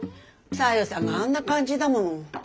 小夜さんがあんな感じだもん。